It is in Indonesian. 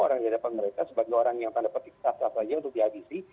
orang di depan mereka sebagai orang yang akan dapat tiktok saja untuk diagisi